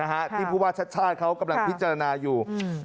อ่านี่พูดว่าชาติเขากำลังพิจารณาอยู่